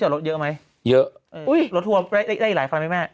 รถทัวร์ไหวได้อีกหลายคันไม่นะนะ